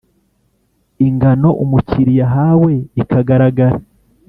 ingano umukiriya ahawe ikagaragara